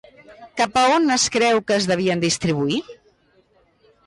Cap a on es creu que es devien distribuir?